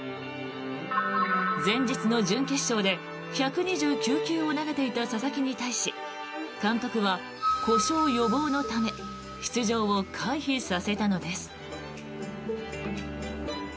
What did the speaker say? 前日の準決勝で１２９球を投げていた佐々木に対し監督は故障予防のため出場を回避させたのです。